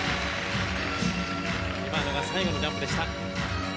今のが最後のジャンプでした。